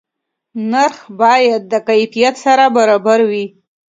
نرخ باید د کیفیت سره برابر وي.